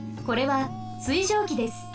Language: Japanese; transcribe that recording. これは水蒸気です。